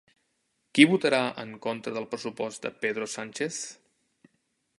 Qui votarà en contra del pressupost de Pedro Sánchez?